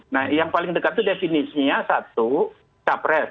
nah yang paling dekat itu definisinya satu capres